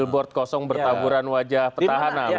port kosong bertaburan wajah pertahanan